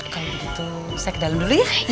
kalau begitu saya ke dalam dulu ya